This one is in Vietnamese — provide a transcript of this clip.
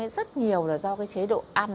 rất nhiều là do cái chế độ ăn